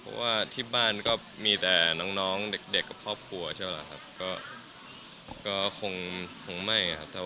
เพราะว่าที่บ้านก็มีแต่น้องเด็กกับครอบครัวใช่ไหมครับก็คงไม่ครับ